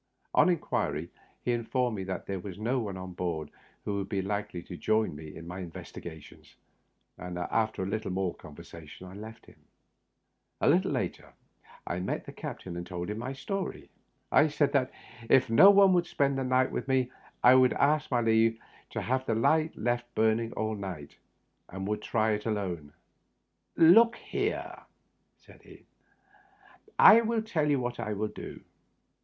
On inquiry, he informed me that there was no one on board who would be likely to join me in my investigations, and after a little more conversation I left him. A little later I met the captain, and told him my story. I said that if no one would spend the night with me I would ask leave to have the light left burning all night, and would try it alone. " Look here," said he, " I will tell you what I will do.